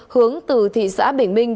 hướng từ thị xã bình minh